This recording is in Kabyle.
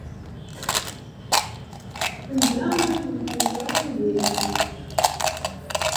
Anda ay ten-yeẓra Yidir?